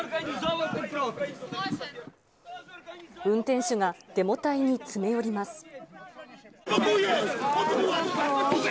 運転手が、デモ隊に詰め寄ります。